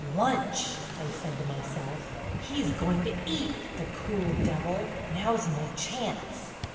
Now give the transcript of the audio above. "Lunch!" I said to myself. "He's going to eat, the cool devil. Now's my chance!"